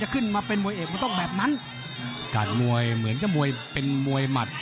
กัดมวยเหมือนจะมวยเป็นมวยหมัด